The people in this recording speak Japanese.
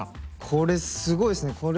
これ、すごいですね。